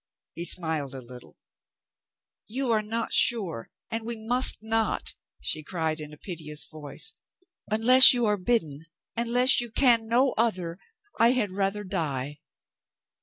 He smiled a little. "You are not sure and we must not," she cried in a piteous voice. "Unless you are bidden, unless you can no other, I had rather die."